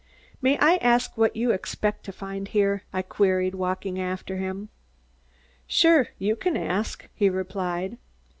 "May I ask what you expect to find here?" I queried, walking after him. "Sure you can ask," he replied.